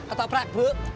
atau prak bu